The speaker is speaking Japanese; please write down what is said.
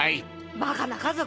バカな家族！